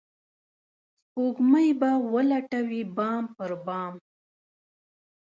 سپوږمۍ به ولټوي بام پر بام